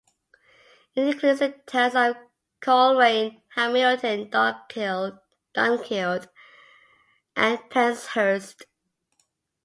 It includes the towns of Coleraine, Hamilton, Dunkeld and Penshurst.